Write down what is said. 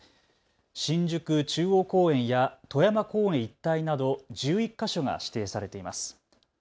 新宿中央公園や戸山公園一帯など１１か所が指定されています。